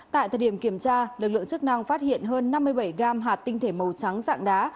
tại thời điểm kiểm tra lực lượng chức năng phát hiện hơn năm mươi bảy gam hạt tinh thể màu trắng dạng đá